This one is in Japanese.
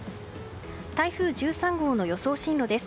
台風１３号の予想進路です。